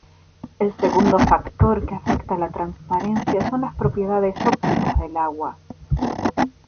El segundo factor que afecta la transparencia son las propiedades ópticas del agua.